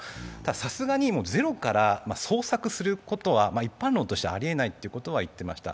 さすがにゼロから創作することは一般論としてはありえないと言っていました。